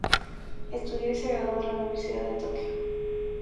Estudió y se graduó de la Universidad de Tokio.